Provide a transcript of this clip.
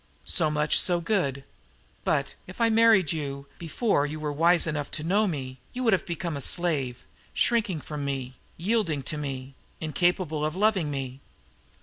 So much so good. But, if I married you before you were wise enough to know me, you would have become a slave, shrinking from me, yielding to me, incapable of loving me.